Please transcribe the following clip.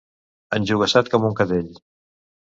Enjogassat com un cadell.